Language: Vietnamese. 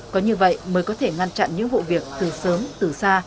có như vậy mới có thể ngăn chặn những vụ việc từ sớm từ xa